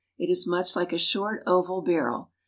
It is much like a short, oval barrel.